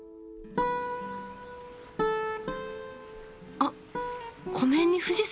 あっ湖面に富士山が。